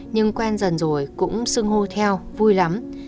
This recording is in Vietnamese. nhưng quen dần rồi cũng sưng hô theo vui lắm